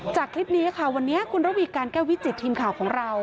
จากคลิปนี้ค่ะวันนี้คุณระวีการแก้ววิจิตทีมข่าวของเรา